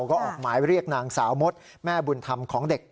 ก็ออกหมายเรียกนางสาวมดแม่บุญธรรมของเด็ก